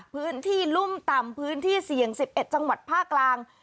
พื้นที่รุ่มต่ำพื้นที่เสี่ยง๑๑จังหวัดภาคกลาง